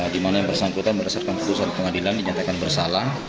di mana yang bersangkutan meresapkan keputusan pengadilan dinyatakan bersalah